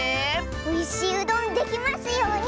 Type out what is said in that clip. おいしいうどんできますように！